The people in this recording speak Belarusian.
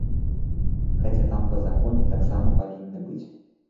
Хаця там па законе таксама павінны быць.